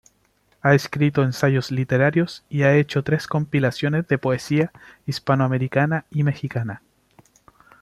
Ha escrito ensayos literarios y ha hecho tres compilaciones de poesía hispanoamericana y mexicana.